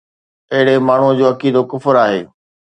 اهڙي ماڻهوءَ جو عقيدو ڪفر آهي